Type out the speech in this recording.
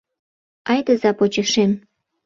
— Айдыза почешем!